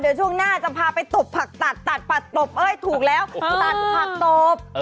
เดี๋ยวช่วงหน้าจะพาไปตบผักตัดตัดปัดตบเอ้ยถูกแล้วตัดผักตบ